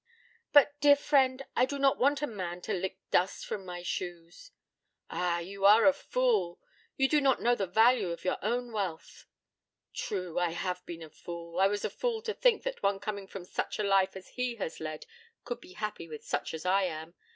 'But, dear friend, I do not want a man to lick dust from my shoes.' 'Ah, you are a fool. You do not know the value of your own wealth.' 'True; I have been a fool. I was a fool to think that one coming from such a life as he has led could be happy with such as I am.